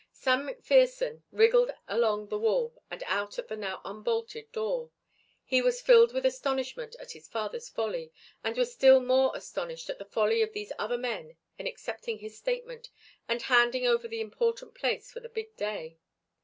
Sam McPherson wriggled along the wall and out at the now unbolted door. He was filled with astonishment at his father's folly, and was still more astonished at the folly of these other men in accepting his statement and handing over the important place for the big day.